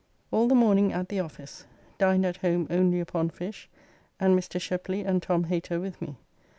All the morning at the office. Dined at home only upon fish, and Mr. Shepley and Tom Hater with me.